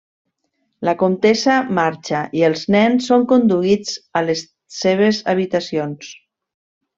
La comtessa marxa i els nens són conduïts a les seves habitacions.